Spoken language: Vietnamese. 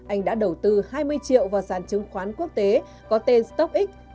anh đã đầu tư hai mươi triệu vào sản chứng khoán quốc tế có tên stockx